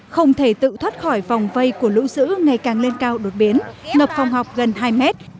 không thể tự thoát khỏi vòng vây của lũ dữ ngày càng lên cao đột biến ngập phòng học gần hai mét